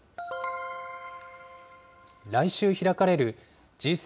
来週開かれるＧ７・